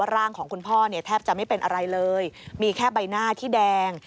ร่างของคุณพ่อเนี่ยแทบจะไม่เป็นอะไรเลยมีแค่ใบหน้าที่แดง